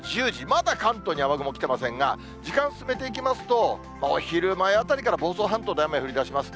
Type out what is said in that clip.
まだ関東に雨雲来ていませんが、時間進めていきますと、お昼前あたりから房総半島で雨降りだします。